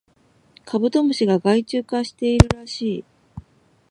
カブトムシが害虫化しているらしい